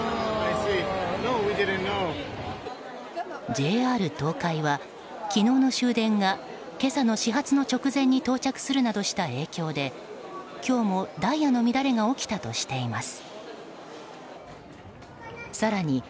ＪＲ東海は昨日の終電が今朝の始発の直前に到着するなどした影響で今日もダイヤの乱れが起きたとしています。